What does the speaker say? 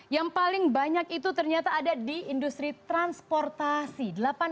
yang paling banyak itu ternyata ada di industri transportasi